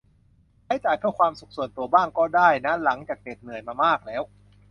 ใช้จ่ายเพื่อความสุขส่วนตัวบ้างก็ได้นะหลังจากเหน็ดเหนื่อยมามากแล้ว